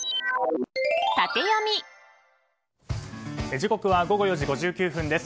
時刻は午後４時５９分です。